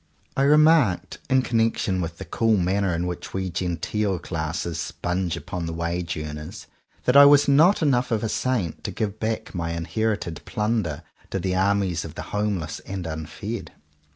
I remarked, in connection with the cool manner in which we genteel classes sponge upon the wage earners, that I was not enough of a saint to give back my inherited plunder to the armies of the homeless and unfed.